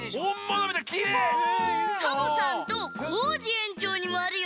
サボさんとコージえんちょうにもあるよ。